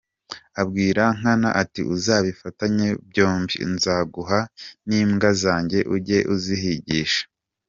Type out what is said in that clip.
Abwira Nkana ati “Uzabifatanye byombi, nzaguha n’imbwa zanjye ujye uzihigisha.